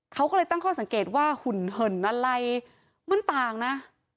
เขาก็เลยตั้งข้อสังเกตว่าหุ่นเหินอะไรมันต่างนะ